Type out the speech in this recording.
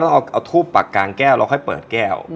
เราเอาทูบกลางแก้วและพักแก้ว